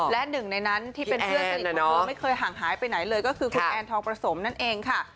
และหนึ่งในนั้นที่เป็นเพื่อนสนิทของเธอไม่เคยห่างหายไปไหนเลยก็คือคุณแอนทองประสมนั่นเองค่ะ